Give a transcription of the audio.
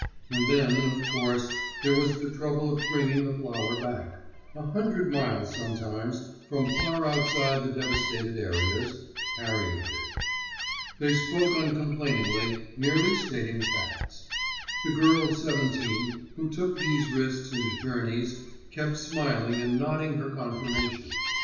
And then, of course, there was the trouble of bringing the flour back—a hundred miles sometimes, from far outside the devastated areas—carrying it. They spoke uncomplainingly, merely stating facts. The girl of seventeen, who took these risks and journeys, kept smiling and nodding her confirmation.